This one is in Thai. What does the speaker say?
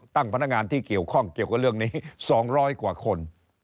ตั้งพนักงานที่เกี่ยวข้องเกี่ยวกับเรื่องนี้๒๐๐กว่าคน